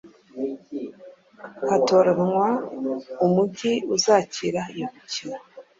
hatoranywa umugi uzakira iyo mikino